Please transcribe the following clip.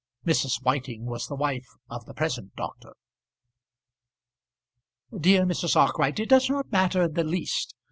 Mrs. Whiting was the wife of the present doctor. "Dear Mrs. Arkwright, it does not matter in the least.